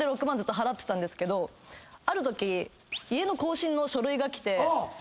６万ずっと払ってたんですけどあるとき家の更新の書類が来て。